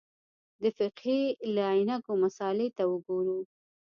د فقهې له عینکو مسألې ته وګورو.